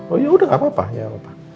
oh yaudah gak apa apa